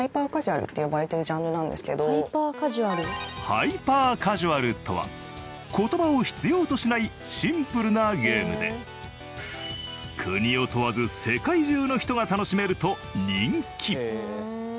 ハイパーカジュアルとは言葉を必要としないシンプルなゲームで国を問わず世界中の人が楽しめると人気。